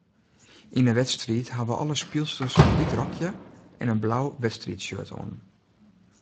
Yn 'e wedstriid hawwe alle spylsters in wyt rokje en in blau wedstriidshirt oan.